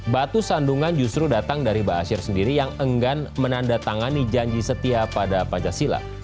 batu sandungan justru datang dari ba'asyir sendiri yang enggan menandatangani janji setia pada pancasila